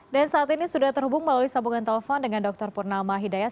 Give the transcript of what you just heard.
dan saat ini sudah terhubung melalui sambungan telepon dengan dr purnama hidayat